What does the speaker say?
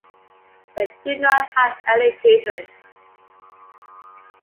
They do not have any children.